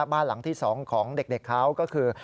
บ้านหลังที่๒ของเด็กเขาก็คือ